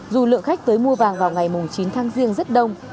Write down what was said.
dù lượng khách tới mua vàng vào ngày chín tháng riêng rất đông